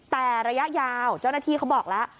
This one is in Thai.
แต่ระยะยาวเจ้าหน้าที่เขาบอกแล้ว